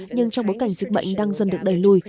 nhưng trong bối cảnh dịch bệnh đang dần được đẩy lùi